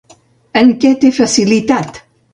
En què té facilitat?